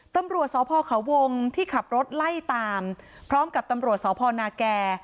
ตำรวจสพเขาวงที่ขับรถไล่ตามพร้อมกับตำรวจสพนาแก่